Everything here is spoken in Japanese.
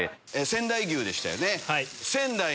仙台牛でしたよね。